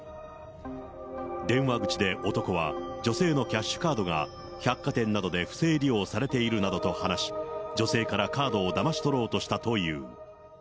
電話口で男は、女性のキャッシュカードが百貨店などで不正利用されているなどと話し、女性からカードをだまし取ろうとしたという。